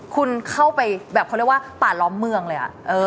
คุณเข้าไปแบบเขาเรียกว่าป่าล้อมเมืองเลย